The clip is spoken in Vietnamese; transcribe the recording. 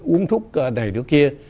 uống thuốc này đứa kia